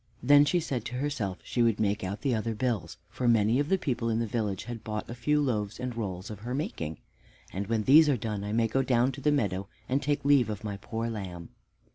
Then she said to herself she would make out the other bills, for many of the people in the village had bought a few loaves and rolls of her making. "And when these are done, I may go down to the meadow to take leave of my poor lamb."